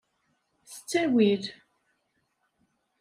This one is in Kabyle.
S ttwail!